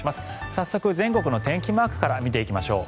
早速、全国の天気マークから見ていきましょう。